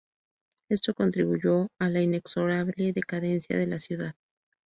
Esto contribuyó a la inexorable decadencia de la ciudad.